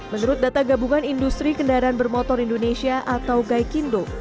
menurut data gabungan industri kendaraan bermotor indonesia atau gaikindo